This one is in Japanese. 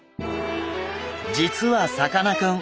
実はさかなクン